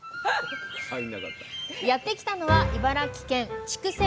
やって来たのは茨城県筑西市。